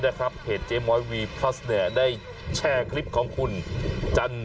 นะครับเพจเจมส์วีดวีพรี่ได้แชร์คลิปของคุนจันทร์